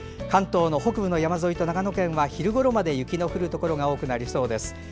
関東の北部、山沿いと長野県は昼ごろまで雪の降るところが多くなりそうです。